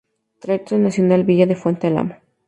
Triatlón Nacional "Villa de Fuente Álamo".